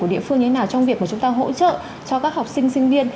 của địa phương như thế nào trong việc mà chúng ta hỗ trợ cho các học sinh sinh viên